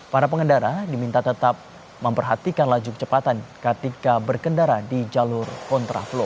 para pengendara diminta tetap memperhatikan laju kecepatan ketika berkendara di jalur kontra flow